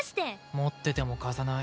持ってても貸さない。